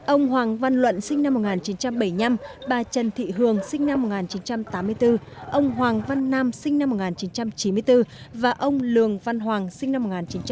ông hoàng văn luận sinh năm một nghìn chín trăm bảy mươi năm bà trần thị hường sinh năm một nghìn chín trăm tám mươi bốn ông hoàng văn nam sinh năm một nghìn chín trăm chín mươi bốn và ông lường văn hoàng sinh năm một nghìn chín trăm tám mươi